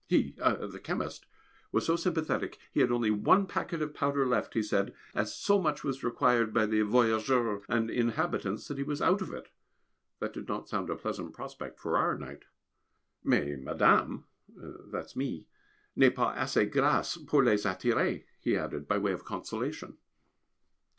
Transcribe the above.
He the chemist was so sympathetic, he had only one packet of powder left, he said, as so much was required by the voyageurs and inhabitants that he was out of it (that did not sound a pleasant prospect for our night) "Mais, madame" (that's me), "n'est pas assez grasse pour les attirer," he added by way of consolation.